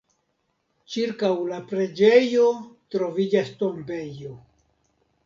Ĉirkaŭ la preĝejo troviĝas tombejo.